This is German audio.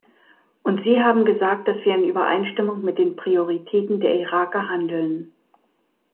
Und Sie haben gesagt, dass wir in Übereinstimmung mit den Prioritäten der Iraker handeln.